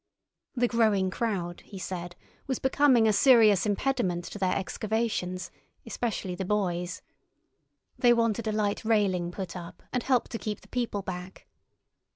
The growing crowd, he said, was becoming a serious impediment to their excavations, especially the boys. They wanted a light railing put up, and help to keep the people back.